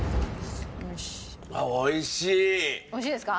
美味しいですか？